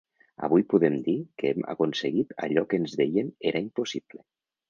Avui podem dir que hem aconseguit allò que ens deien era impossible.